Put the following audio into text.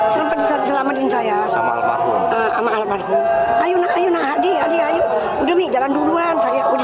selamat selamat dan saya sama almarhum ayo ayo nah hadi hadi ayo udah jalan duluan saya udah